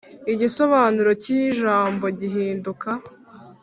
igisobanuro ki jambo gihinduka